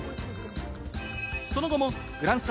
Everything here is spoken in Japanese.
その後もグランスタ